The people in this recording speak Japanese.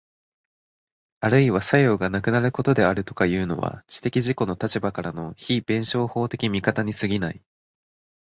あるいは作用がなくなることであるとかいうのは、知的自己の立場からの非弁証法的見方に過ぎない。